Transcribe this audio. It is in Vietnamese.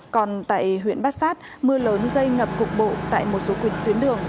còn tại huyện bát sát mưa lớn gây ngập cục bộ tại một số quạt tuyến đường